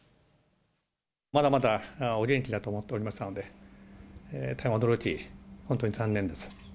まだまだお元気だと思っておりましたので、大変驚き、本当に残念です。